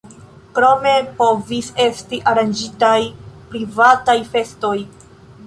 Krome povis esti aranĝitaj privataj festoj.